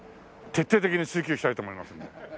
徹底的に追究したいと思いますので。